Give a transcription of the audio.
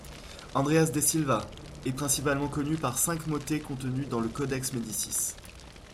Andreas de Silva est principalement connu par cinq motets contenus dans le Codex Médicis.